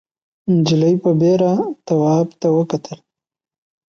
نجلۍ په بېره تواب ته وکتل.